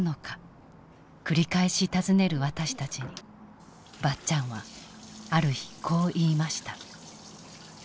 繰り返し尋ねる私たちにばっちゃんはある日こう言いました。